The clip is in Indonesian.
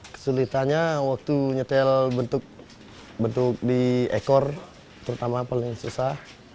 kesulitannya waktu nyetel bentuk di ekor terutama paling susah